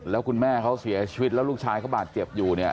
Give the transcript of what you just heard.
แล้วคุณแม่เขาเสียชีวิตแล้วลูกชายเขาบาดเจ็บอยู่เนี่ย